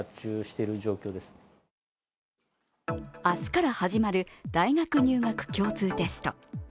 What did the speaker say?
明日から始まる大学入試共通テスト。